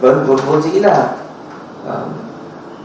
vâng vâng vâng vâng